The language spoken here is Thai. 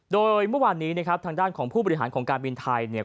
โดยเมื่อวานนี้ทางด้านของผู้บริหารของการบินไทย